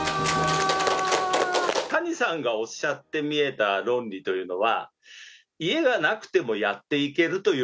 谷さんがおっしゃってみえた論理というのは。